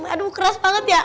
aduh keras banget ya